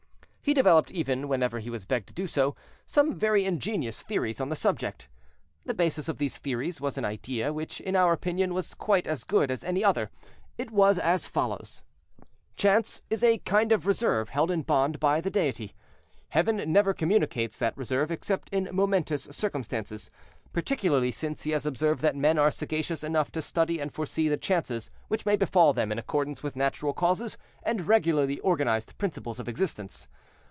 He developed, even, whenever he was begged to do so, some very ingenious theories on the subject. The basis of these theories was an idea, which, in our opinion, was quite as good as any other; it was as follows: Chance is a kind of reserve held in bond by the Deity. Heaven never communicates that reserve except in momentous circumstances, particularly since He has observed that men are sagacious enough to study and foresee the chances which may befall them in accordance with natural causes and regularly organized principles of existence.